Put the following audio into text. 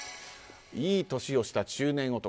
いい年をした中年男。